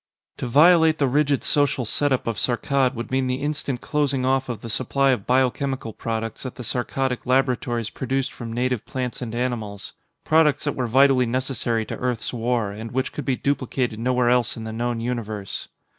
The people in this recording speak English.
To violate the rigid social setup of Saarkkad would mean the instant closing off of the supply of biochemical products that the Saarkkadic laboratories produced from native plants and animals products that were vitally necessary to Earth's war, and which could be duplicated nowhere else in the known universe.